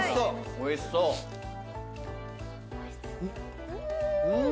おいしそううん！